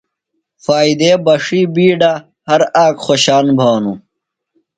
فائدے بݜیۡ بِیڈہ، ہر آک خوشان بھانوۡ